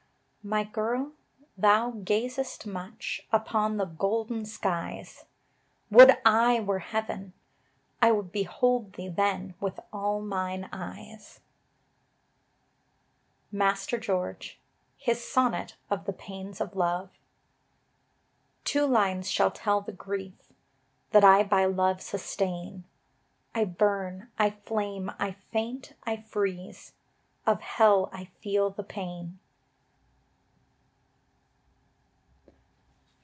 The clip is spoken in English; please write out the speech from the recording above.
My girl, thou gazest much Upon the golden skies: Would I were Heaven! I would behold Thee then with all mine eyes! George Turberville. MASTER GEORGE: HIS SONNET OF THE PAINS OF LOVE. Two lines shall tell the grief That I by love sustain: I burn, I flame, I faint, I freeze, Of Hell I feel the pain.